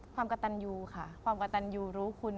ความกระตันยูค่ะความกระตันยูรู้คุณ